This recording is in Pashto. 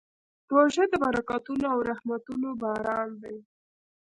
روژه د برکتونو او رحمتونو باران دی.